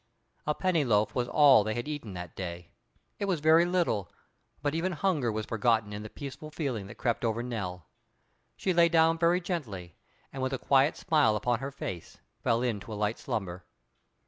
A penny loaf was all they had eaten that day. It was very little, but even hunger was forgotten in the peaceful feeling that crept over Nell. She lay down very gently, and with a quiet smile upon her face, fell into a light slumber.